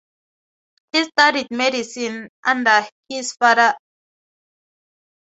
He studied medicine under his father.